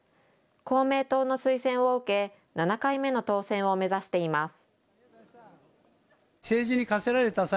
公明党の推薦を受け、７回目の当選を目指しています。